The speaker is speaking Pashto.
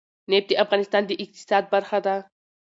نفت د افغانستان د اقتصاد برخه ده.